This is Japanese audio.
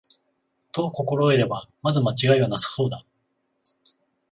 と心得れば、まず間違いはなさそうだ